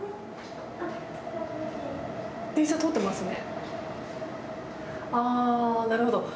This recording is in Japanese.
電車通ってますね。